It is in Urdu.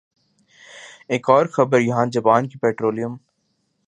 ایک اور خبر یہاں جاپان کی پٹرولیم